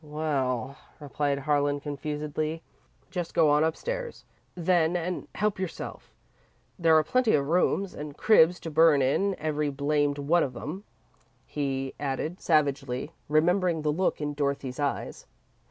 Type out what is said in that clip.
"Well," replied Harlan, confusedly, "just go on upstairs, then, and help yourself. There are plenty of rooms, and cribs to burn in every blamed one of 'em," he added, savagely, remembering the look in Dorothy's eyes.